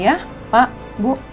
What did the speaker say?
ya dok makasih dok